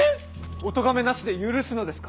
お咎めなしで許すのですか？